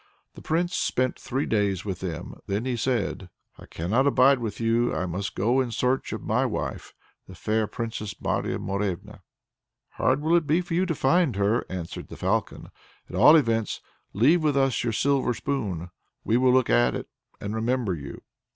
The Prince spent three days with them, then he said: "I cannot abide with you; I must go in search of my wife the fair Princess Marya Morevna." "Hard will it be for you to find her," answered the Falcon. "At all events leave with us your silver spoon. We will look at it and remember you."